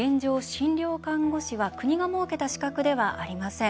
診療看護師は国が設けた資格ではありません。